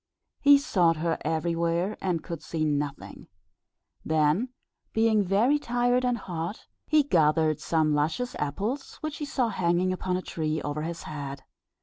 He sought her everywhere, and could see nothing; then being very tired and hot, he gathered some luscious apples which he saw hanging upon a tree over his head.